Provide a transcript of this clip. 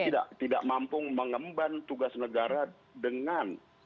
kita tidak mampu mengemban tugas negara dengan